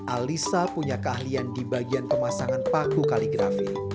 alisa punya keahlian di bagian pemasangan paku kaligrafi